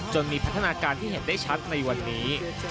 มีพัฒนาการที่เห็นได้ชัดในวันนี้